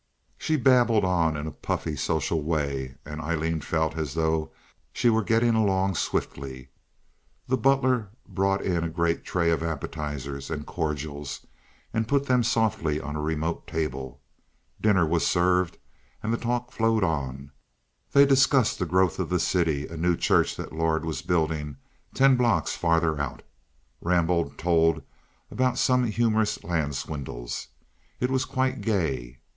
She babbled on in a puffy social way, and Aileen felt as though she were getting along swiftly. The butler brought in a great tray of appetizers and cordials, and put them softly on a remote table. Dinner was served, and the talk flowed on; they discussed the growth of the city, a new church that Lord was building ten blocks farther out; Rambaud told about some humorous land swindles. It was quite gay.